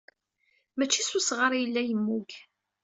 Mačči s usɣar i yella yemmug.